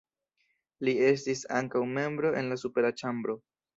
Li estis ankaŭ membro en la supera ĉambro.